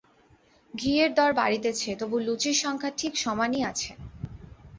ঘিয়ের দর বাড়িতেছে তবু লুচির সংখ্যা ঠিক সমানই আছে।